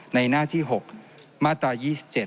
ในหน้าที่๖มาตรา๒๗